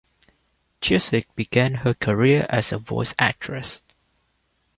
Gilsig began her career as a voice actress.